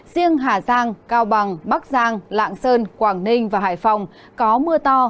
riêng hà giang cao bằng bắc giang lạng sơn quảng ninh và hải phòng có mưa to